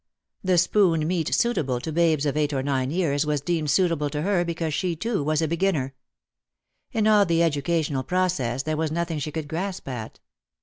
The spoon meat suitable to babes of eight or nine years was deemed suitable to her because she too was a beginner. In all the educational process there was nothing she could grasp at.